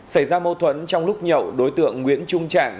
xảy ra mâu thuẫn trong lúc nhậu đối tượng nguyễn trung trạng